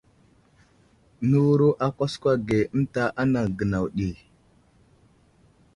Nəwuro a kwaskwa ge ənta anaŋ gənaw ɗi.